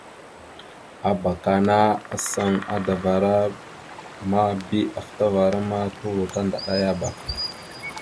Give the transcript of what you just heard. Abak ana asaŋ adavara ma bi afətavara ma turo tandaɗayaba.